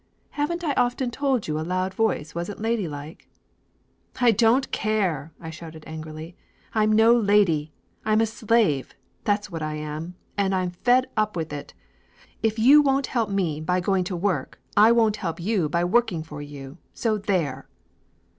"Haven't I often told you a loud voice wasn't lady like?" "I don't care!" I shouted angrily. "I'm no lady! I'm a slave, that's what I am, and I'm fed up with it! If you won't help me by going to work I won't help you by working for you so there!"